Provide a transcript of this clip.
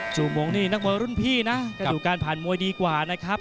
จูม่งนี่นักมวยรุ่นพี่นะก็ดูการผ่านมวยดีกว่านะครับ